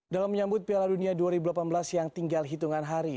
dalam menyambut piala dunia dua ribu delapan belas yang tinggal hitungan hari